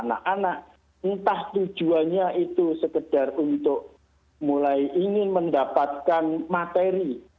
anak anak entah tujuannya itu sekedar untuk mulai ingin mendapatkan materi